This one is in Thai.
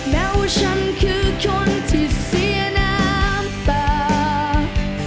แล้วฉันคือคนที่เสียน้ำตา